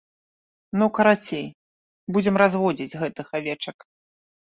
Ну, карацей, будзем разводзіць гэтых авечак.